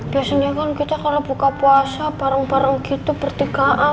biasanya kan kita kalau buka puasa parung parung gitu bertigaan